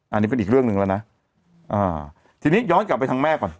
อันนี้เป็นอีกเรื่องหนึ่งแล้วนะอ่าทีนี้ย้อนกลับไปทางแม่ก่อน